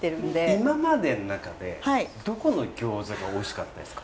今までの中でどこの餃子がおいしかったですか？